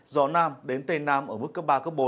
gió nam đến tây nam ở mức cấp ba cấp bốn